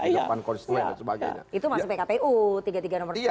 di depan konstruen dan sebagainya